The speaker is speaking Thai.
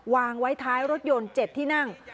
วางไว้ท้ายรถยนต์๗ที่นั่ง